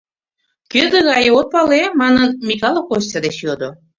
«Кӧ тыгае, от пале?» — манын, Микале Костя деч йодо.